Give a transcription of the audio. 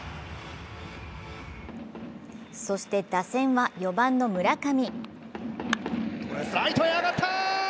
そして、打線は４番の村上。